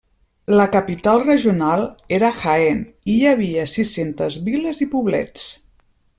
La capital regional era Jaén i hi havia sis-centes viles i poblets.